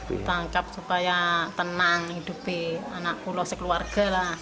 ditangkap supaya tenang hidupi anak pulau sekeluarga lah